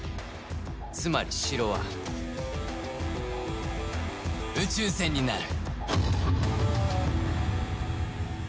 つまり城は宇宙船になる。